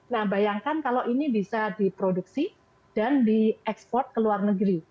nah bayangkan kalau ini bisa diproduksi dan diekspor ke luar negeri